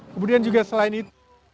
kemudian juga selain itu